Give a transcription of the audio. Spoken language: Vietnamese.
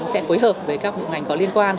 sẽ phối hợp với các ngành có liên quan